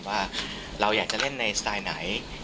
ว่าเราอยากจะเล่นในสไตล์ไหน